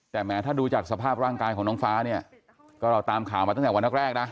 แต่แม้ถ้าดูจากสภาพร่างกายของน้องฟ้าเนี่ยก็เราตามข่าวมาตั้งแต่วันแรกนะ